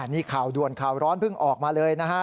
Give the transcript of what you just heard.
นี่ข่าวด่วนข่าวร้อนเพิ่งออกมาเลยนะฮะ